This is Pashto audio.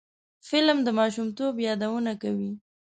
فلم د ماشومتوب یادونه کوي